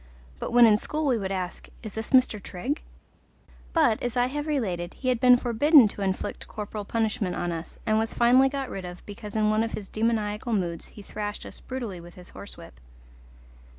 but when in school we would ask, "Is this Mr. Trigg?" But, as I have related, he had been forbidden to inflict corporal punishment on us, and was finally got rid of because in one of his demoniacal moods he thrashed us brutally with his horsewhip.